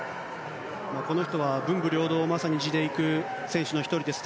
この人は文武両道をまさに地でいく選手の１人です。